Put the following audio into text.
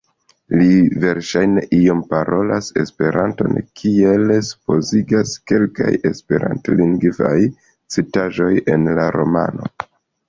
Li verŝajne iom parolas Esperanton, kiel supozigas kelkaj esperantlingvaj citaĵoj en la romano.